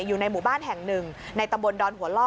อยู่ในหมู่บ้านแห่งหนึ่งในตำบลดอนหัวล่อ